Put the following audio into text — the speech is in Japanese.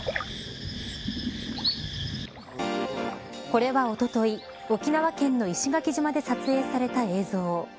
これは、おととい沖縄県の石垣島で撮影された映像。